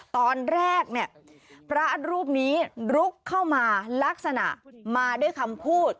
ตอนแรกเนี่ยพระรูปนี้ลุกเข้ามาลักษณะมาด้วยคำพูด